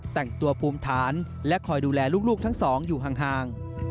แต่งตัวภูมิฐานและคอยดูแลลูกทั้งสองอยู่ห่าง